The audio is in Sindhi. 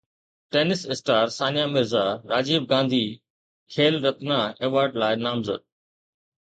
tense star Sania Mirza Rajiv Gandhi Khel Ratna award لاءِ نامزد